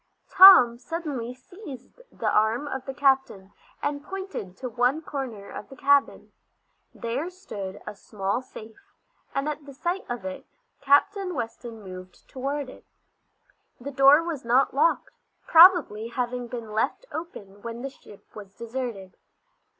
Tom suddenly seized the arm of the captain, and pointed to one corner of the cabin. There stood a small safe, and at the sight of it Captain Weston moved toward it. The door was not locked, probably having been left open when the ship was deserted.